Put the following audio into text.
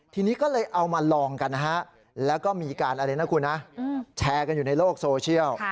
ทีนี้ก็เลยเอามาลองกันแล้วก็มีการแชร์กันอยู่ในโลกโซเชียล